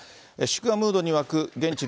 祝賀ムードに沸く現地